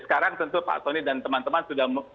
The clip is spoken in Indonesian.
sekarang tentu pak soni dan teman teman sudah